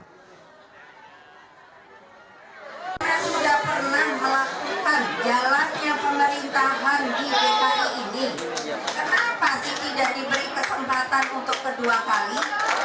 ketika diperkenalkan jalannya pemerintahan di dki ini kenapa sih tidak diberi kesempatan untuk kedua kali